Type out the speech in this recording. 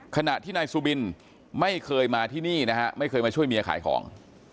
ขณะที่นายสุบินไม่เคยมาที่นี่นะฮะไม่เคยมาช่วยเมียขายของ